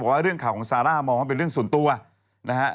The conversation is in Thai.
ว่าเรื่องข่าวของซาร่ามองว่าเป็นเรื่องส่วนตัวนะฮะ